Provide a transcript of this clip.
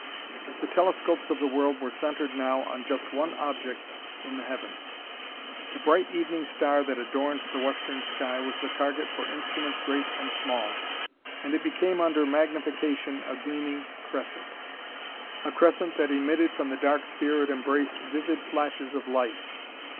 The telescopes of the world were centered now on just one object in the heavens. The bright evening star that adorned the western sky was the target for instruments great and small. It was past the half moon phase now, and it became under magnification a gleaming crescent, a crescent that emitted from the dark sphere it embraced vivid flashes of light.